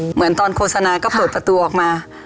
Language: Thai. เหมือนตอนโฆษณาก็เปิดประตูออกมา